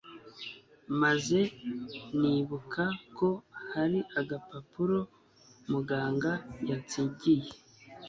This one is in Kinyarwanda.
maze nibuka ko hari agapapuro muganga yansigiye